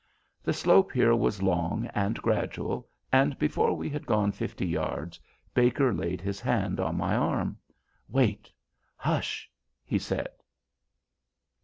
The slope here was long and gradual, and before we had gone fifty yards Baker laid his hand on my arm. "Wait. Hush!" he said.